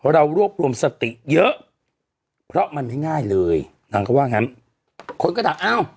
เรารวบรวมสติเยอะเพราะมันไม่ง่ายเลยนางก็ว่างั้นคนก็ดักอ้าว